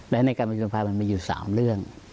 และในการประชุมภายมันมีอยู่๓เรื่อง